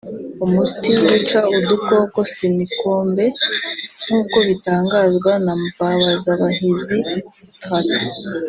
umuti wica udukoko (simikombe) nk’uko bitangazwa na Mbabazabahizi Straton